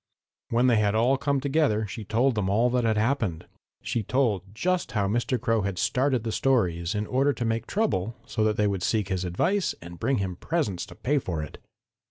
"When they had all come together she told them all that had happened. She told just how Mr. Crow had started the stories in order to make trouble so that they would seek his advice and bring him presents to pay for it.